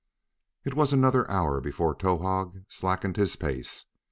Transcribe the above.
It was another hour before Towahg slackened his pace.